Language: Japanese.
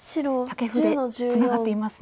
タケフでツナがっていますね。